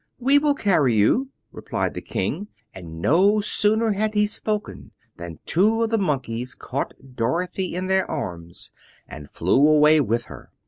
"We will carry you," replied the King, and no sooner had he spoken than two of the Monkeys caught Dorothy in their arms and flew away with her.